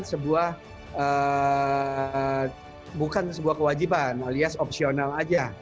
sebuah bukan sebuah kewajiban alias opsional aja